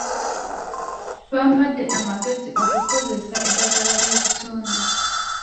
Bampadde amagezi okukozesa eddagala ly'obutonde.